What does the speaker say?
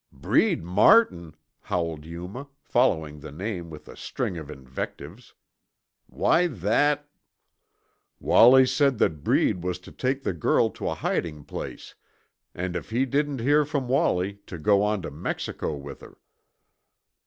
"Breed Martin!" howled Yuma, following the name with a string of invectives. "Why that " "Wallie said that Breed was to take the girl to a hiding place and if he didn't hear from Wallie to go on to Mexico with her."